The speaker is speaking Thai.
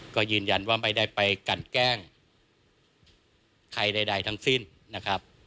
ก็ยืนยันว่าไม่ได้ไปกันแกล้งใครใดทั้งสิ้นนะครับ